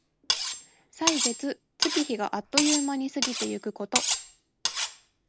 歳月、月日があっという間に過ぎてゆくこと。